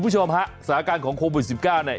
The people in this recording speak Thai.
สถานการณ์ของโควิด๑๙เนี่ย